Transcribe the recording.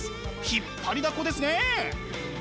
引っ張りだこですねえ！